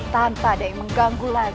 tanpa ada yang mengganggu lagi